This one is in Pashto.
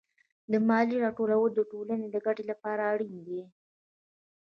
د مالیې راټولول د ټولنې د ګټې لپاره اړین دي.